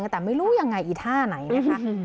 แต่ไม่รู้ยังไงอีท่าไหนนะคะ